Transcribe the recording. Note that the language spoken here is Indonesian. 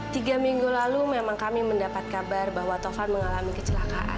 tiga minggu lalu memang kami mendapat kabar bahwa tovan mengalami kecelakaan